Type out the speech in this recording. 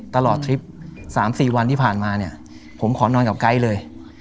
ตลอดทริป๓๔วันที่ผ่านมาเนี่ยผมขอนอนกับไกด์เลย